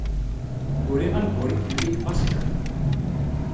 Uriɣ alguritm-nni deg Pascal.